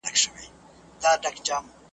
چا ویل چي ستا له کوڅې لیري به برباد سمه .